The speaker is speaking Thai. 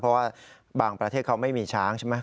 เพราะว่าบางประเทศเขาไม่มีช้างใช่ไหม